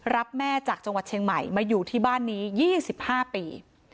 รับแม่จากจังหวัดเชียงใหม่มาอยู่ที่บ้านนี้๒๕ปี